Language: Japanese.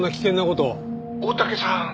「大竹さん